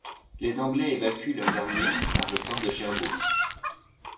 Les Anglais évacuent leurs armées par le port de Cherbourg.